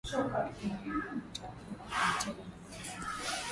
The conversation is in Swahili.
wenyewe watakuwa wanacheza na korea